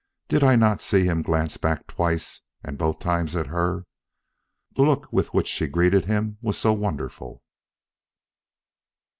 Did I not see him glance back twice, and both times at her? The look with which she greeted him was so wonderful."